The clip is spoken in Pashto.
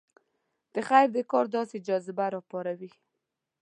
د خیر د کار داسې جذبه راپاروي.